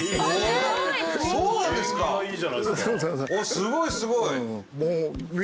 すごいすごい！